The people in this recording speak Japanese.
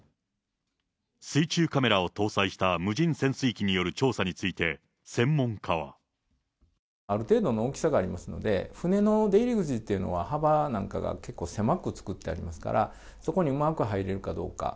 水中カメラを搭載した無人潜水機による調査について、専門家ある程度の大きさがありますので、船の出入り口っていうのは、幅なんかが結構狭く作ってありますから、そこにうまく入れるかどうか。